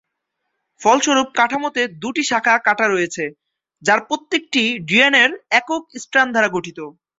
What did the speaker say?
ফলস্বরূপ কাঠামোতে দুটি শাখা "কাঁটা" রয়েছে, যার প্রত্যেকটিই ডিএনএর একক স্ট্র্যান্ড দ্বারা গঠিত।